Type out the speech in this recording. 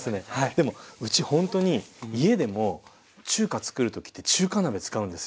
でもうちほんとに家でも中華つくる時って中華鍋使うんですよ。